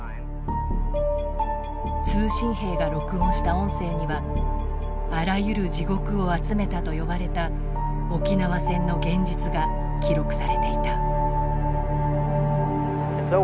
通信兵が録音した音声にはあらゆる地獄を集めたと呼ばれた沖縄戦の現実が記録されていた。